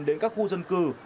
đến các khu dân cư